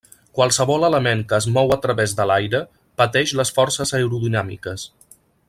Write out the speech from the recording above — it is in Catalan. Qualsevol element que es mou a través de l'aire pateix les forces aerodinàmiques.